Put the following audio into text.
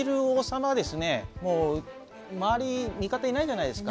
もう周り味方いないじゃないですか。